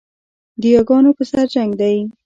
د یاګانو پر سر جنګ دی